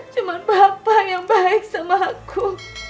cuma bapak yang baik sama aku